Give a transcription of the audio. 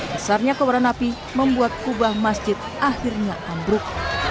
besarnya kewaran api membuat kubah masjid akhirnya ambruk